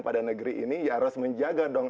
pada negeri ini ya harus menjaga dong